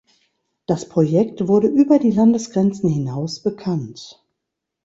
Das Projekt wurde über die Landesgrenzen hinaus bekannt.